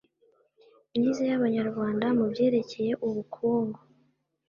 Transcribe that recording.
myiza y abanyarwanda mu byerekeye ubukungu